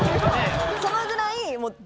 そのぐらい。